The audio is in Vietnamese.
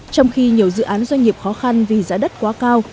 trong khi nhiều dự án doanh nghiệp khó khăn vì giá đất quá cao